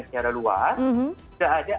secara luas tidak ada